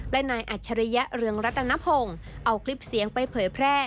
และนายอัจฉริยะเรืองรัตนพงศ์เอาคลิปเสียงไปเผยแพร่